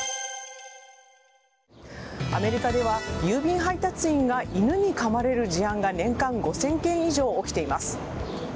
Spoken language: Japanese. アメリカでは郵便配達員が犬にかまれる事案が年間５０００件以上起きています。